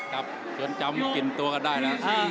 เกินจำกินตัวกันได้นะ